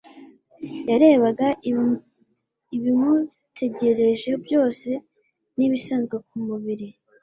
Yarebaga ibimutegereje byo se n'ibisanzwe ku mubiri